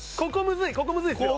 ここむずいっすよ！